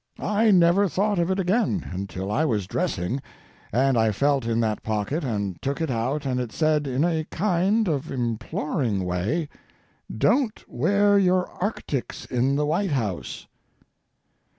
I never thought of it again until I was dressing, and I felt in that pocket and took it out, and it said, in a kind of imploring way, "Don't wear your arctics in the White House."